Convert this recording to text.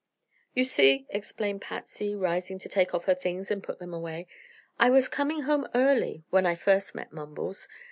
"You see," explained Patsy, rising to take off her things and put them away, "I was coming home early when I first met Mumbles.